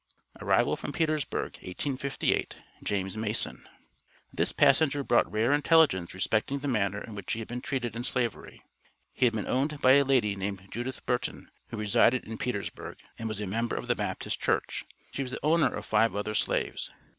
ARRIVAL FROM PETERSBURG, 1858. JAMES MASON. This passenger brought rare intelligence respecting the manner in which he had been treated in Slavery. He had been owned by a lady named Judith Burton, who resided in Petersburg, and was a member of the Baptist Church. She was the owner of five other slaves.